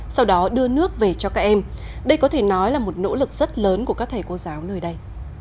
sau đó đưa nước về cho các em đây có thể nói là một nỗ lực rất lớn của các thầy cô giáo nơi đây